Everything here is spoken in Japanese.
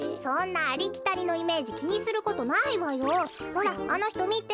ほらあのひとみて。